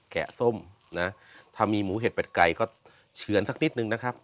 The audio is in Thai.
แกะส้มนะถ้ามีหมูเห็ดเป็ดไก่ก็เฉือนสักนิดนึงนะครับ